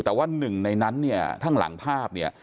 แต่ว่าหนึ่งในนั้นเนี่ยข้างหลังภาพเนี่ย